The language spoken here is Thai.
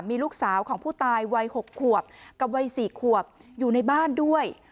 มีลูกสาวของผู้ตายวัย๖ขวบกับวัย๔ขวบอยู่ในบ้านด้วย